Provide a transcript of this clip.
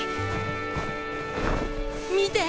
見て！